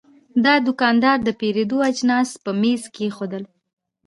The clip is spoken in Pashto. دا دوکاندار د پیرود اجناس په میز کې کېښودل.